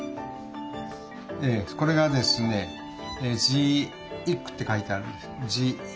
これがですね「ジック」って書いてあるんです。